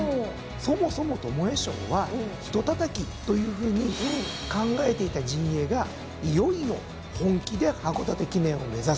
そもそも巴賞はひとたたきというふうに考えていた陣営がいよいよ本気で函館記念を目指すと。